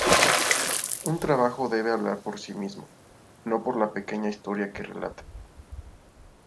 Un trabajo debe hablar por sí mismo, no por la pequeña historia que relata.